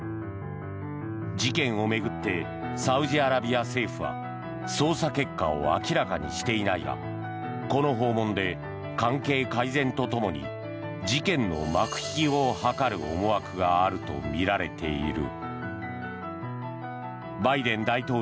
事件を巡ってサウジアラビア政府は捜査結果を明らかにしていないがこの訪問で関係改善と共に事件の幕引きを図る思惑があるとみられている。